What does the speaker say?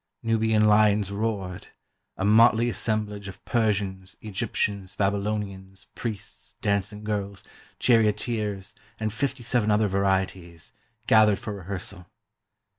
Nubian lions roared; a motley assemblage of Persians, Egyptians, Babylonians, priests, dancing girls, charioteers, and fifty seven other varieties, gathered for rehearsal.